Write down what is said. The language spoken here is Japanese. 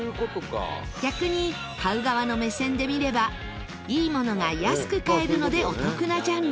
逆に買う側の目線で見ればいいものが安く買えるのでお得なジャンル。